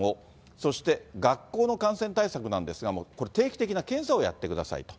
そして学校の感染対策なんですが、これ、定期的な検査をやってくださいと。